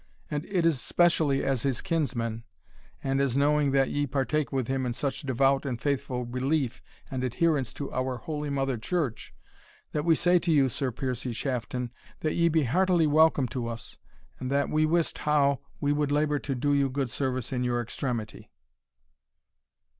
And it is specially as his kinsman, and as knowing that ye partake with him in such devout and faithful belief and adherence to our holy Mother Church, that we say to you, Sir Piercie Shafton, that ye be heartily welcome to us, and that, and we wist how, we would labour to do you good service in your extremity."